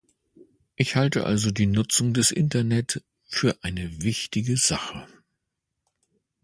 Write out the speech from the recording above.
Ich halte also die Nutzung des Internet für eine wichtige Sache.